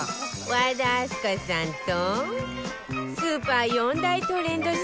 和田明日香さんとスーパー４大トレンド商品